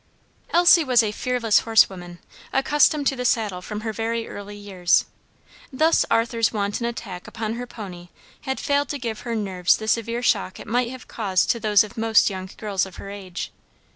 Elsie was a fearless horsewoman, accustomed to the saddle from her very early years. Thus Arthur's wanton attack upon her pony had failed to give her nerves the severe shock it might have caused to those of most young girls of her age.